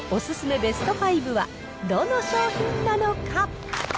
ベスト５は、どの商品なのか。